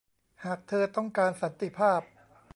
หากเธอต้องการสันติภาพ